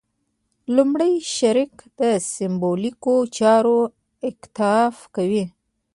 لومړي شرک سېمبولیکو چارو اکتفا کوي.